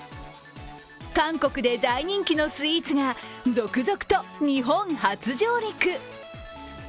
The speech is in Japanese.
韓国で大人気のスイーツが続々と日本初上陸。